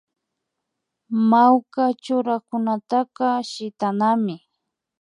Mawka churanakunataka shitanami